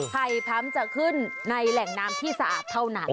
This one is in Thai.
ภัยพร้ำจะขึ้นในแหล่งน้ำที่สะอาดเท่านั้น